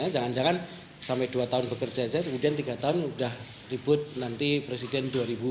jangan jangan sampai dua tahun bekerja saja kemudian tiga tahun sudah ribut nanti presiden dua ribu dua puluh